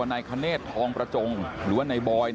ในคณฑ์ทองประจงหรือว่าในบอย